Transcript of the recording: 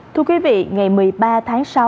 thưa quý vị ngày một mươi ba tháng sáu